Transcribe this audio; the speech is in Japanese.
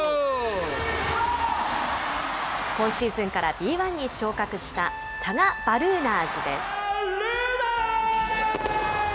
今シーズンからＢ１に昇格した佐賀バルーナーズです。